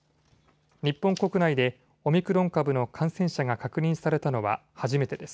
日本国内でオミクロン株の感染者が確認されたのは初めてです。